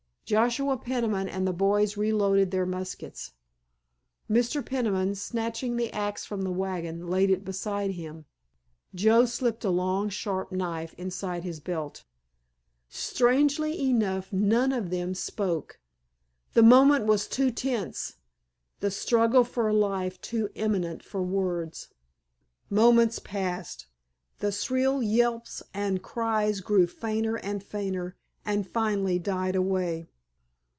Joshua Peniman and the boys reloaded their muskets. Mr. Peniman snatching the axe from the wagon laid it beside him. Joe slipped a long sharp knife inside his belt. Strangely enough none of them spoke. The moment was too tense, the struggle for life too imminent for words. Moments passed. The shrill yelps and cries grew fainter and fainter and finally died away.